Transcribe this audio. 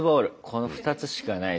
この２つしかないっすよ